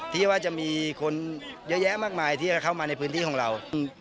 ที่ว่าจะมีคนเยอะแยะมากมายที่จะเข้ามาในพื้นที่ของเรา